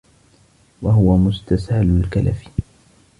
وَهُوَ مُسْتَسْهَلُ الْكَلَفِ